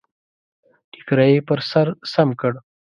ټکری يې پر سر سم کړ.